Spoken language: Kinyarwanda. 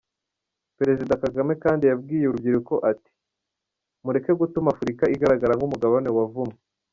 Perezida Kagame kandi yabwiye urubyiruko ati “Mureke gutuma Afurika igaragara nk’umugabane wavumwe.